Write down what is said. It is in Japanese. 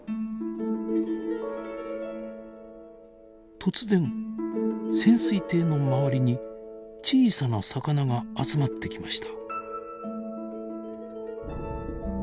突然潜水艇の周りに小さな魚が集まってきました。